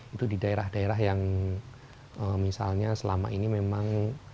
itu di daerah daerah yang misalnya selama ini memang